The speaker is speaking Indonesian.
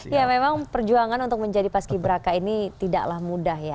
ya memang perjuangan untuk menjadi paski beraka ini tidaklah mudah ya